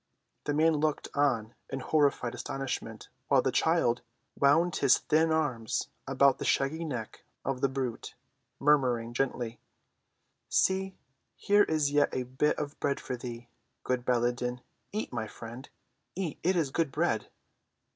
The man looked on in horrified amazement while the child wound his thin arms about the shaggy neck of the brute, murmuring gently, "See, here is yet a bit of bread for thee, good Baladan. Eat, my friend, eat, it is good bread."